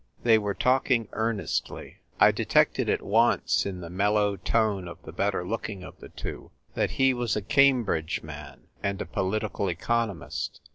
They were talking earnestly. I detected at once in the mellow tone of the better looking of tlie two that he was a Cam bridge man and a political economist.